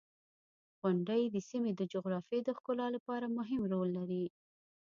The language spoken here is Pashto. • غونډۍ د سیمې د جغرافیې د ښکلا لپاره مهم رول لري.